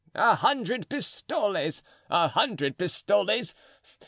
"A hundred pistoles! a hundred pistoles!